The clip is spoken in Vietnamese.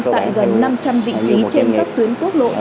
tại gần năm trăm linh vị trí trên các tuyến quốc lộ